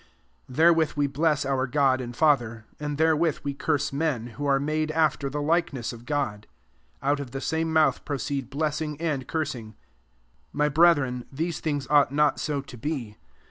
9 There ivith we bless our God and Far ther ; and therewith we curse men, who are made after the likeness of God. 10 Out of the same mouth proceed blessing and cursing. My brethren, these things ought not so to be.